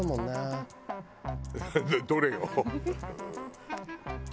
どれよ？